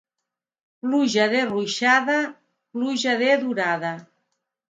Pluja de ruixada, pluja de durada.